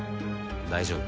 大丈夫？